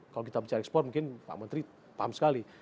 kalau kita bicara ekspor mungkin pak menteri paham sekali